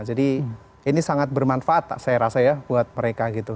jadi ini sangat bermanfaat saya rasa ya buat mereka gitu